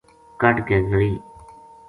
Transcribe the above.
کڈھ کے گلی